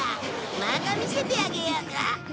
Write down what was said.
マンガ見せてあげようか？